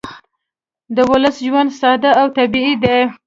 د ولس ژوند ساده او طبیعي دی